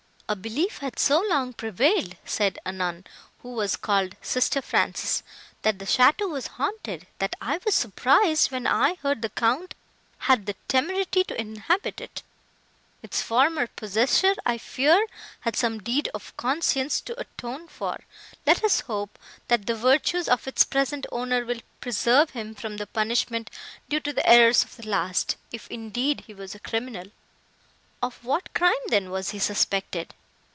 "A belief had so long prevailed," said a nun, who was called sister Frances, "that the château was haunted, that I was surprised, when I heard the Count had the temerity to inhabit it. Its former possessor, I fear, had some deed of conscience to atone for; let us hope, that the virtues of its present owner will preserve him from the punishment due to the errors of the last, if, indeed, he was a criminal." "Of what crime, then, was he suspected?"